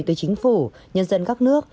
từ chính phủ nhân dân các nước